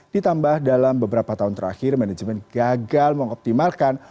ditambah dalam beberapa tahun terakhir manajemen gagal mengoptimalkan